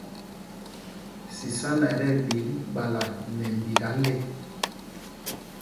Sísána ɛ tí ɛɓik ɓala nɛ mbika le.